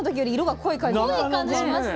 濃い感じしますね。